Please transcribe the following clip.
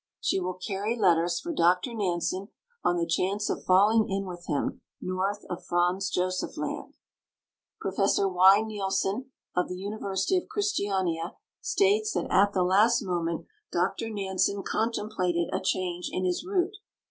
She will carry letters for Dr Nansen, on the chance of falling in with him north of Franz Josef Land. Prof. Y. Nielsen, of the University of Christiania, states that at the last moment Dr Nansen contemplated a change in his route.